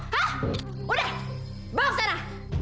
hah udah bawa ke sana